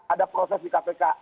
ada proses di kpk